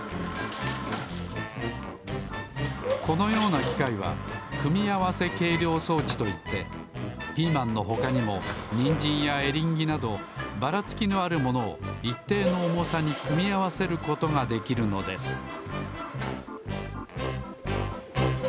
このようなきかいは組み合わせ計量装置といってピーマンのほかにもニンジンやエリンギなどばらつきのあるものをいっていのおもさに組み合わせることができるのです